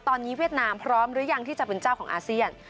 ตอนนี้เวียดนามพร้อมหรือยังที่จะเป็นเจ้าของอาเซียน